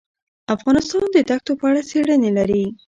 افغانستان د دښتو په اړه څېړنې لري.